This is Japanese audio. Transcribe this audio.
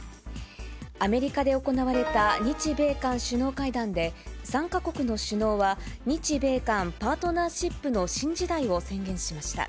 アメリカで行われた日米韓首脳会談で、３か国の首脳は、日米韓パートナーシップの新時代を宣言しました。